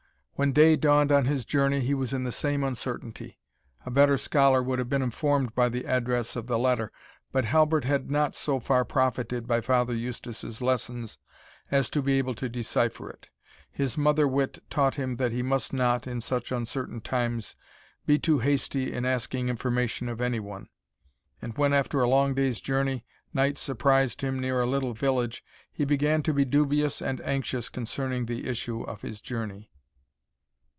When day dawned on his journey he was in the same uncertainty. A better scholar would have been informed by the address of the letter, but Halbert had not so far profited by Father Eustace's lessons as to be able to decipher it. His mother wit taught him that he must not, in such uncertain times, be too hasty in asking information of any one; and when, after a long day's journey, night surprised him near a little village, he began to be dubious and anxious concerning the issue of his journey.